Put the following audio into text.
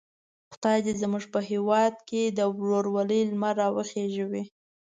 خدای دې زموږ په هیواد کې د ورورولۍ لمر را وخېژوي.